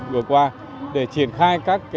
vừa qua để triển khai các